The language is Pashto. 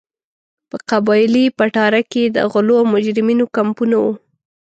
په قبایلي پټاره کې د غلو او مجرمینو کمپونه وو.